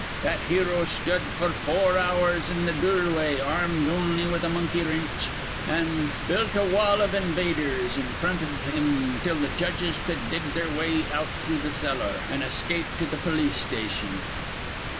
That hero sthud f'r four hours in th' dureway, ar rmed on'y with a monkey wrinch, an' built a wall iv invaders in frint iv him till th' judges cud dig their way out through th' cellar, an' escape to th' polis station.